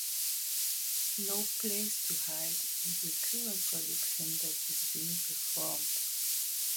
"No Place to Hide" is the current production that is being performed.